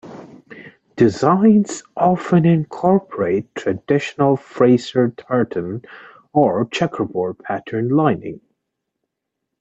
Designs often incorporate traditional Fraser tartan or checkerboard-patterned lining.